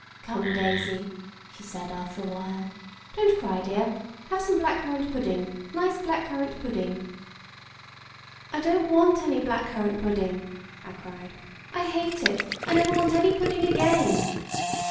"Come, Daisy," she said after a while "Don't cry, dear. Have some black currant pudding—nice black currant pudding." "I don't want any black currant pudding!" I cried. "I hate it! I never want any pudding again!"